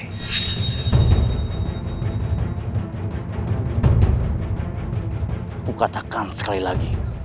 aku katakan sekali lagi